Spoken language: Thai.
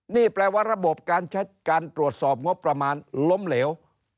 นี่แปลว่าระบบการตรวจสอบงบประมาณล้มเหลว